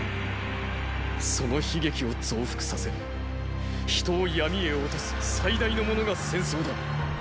その悲劇を増幅させ人を闇へ落とす最大のものが戦争だ。